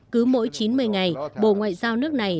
cứ mỗi chín mươi ngày bộ ngoại giao nước này